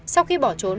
sau khi bỏ trốn